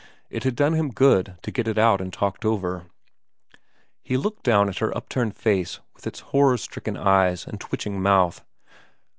It had done him good to get it out and talked over. He looked down at her upturned face with its horror stricken eyes and twitching mouth.